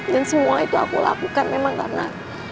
dan semua itu aku lakukan memang karena